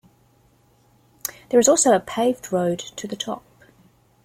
There is also a paved road to the top.